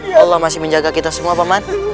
ya allah masih menjaga kita semua paman